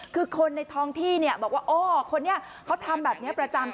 คือคนในท้องที่เนี่ยบอกว่าโอ้คนนี้เขาทำแบบนี้ประจำ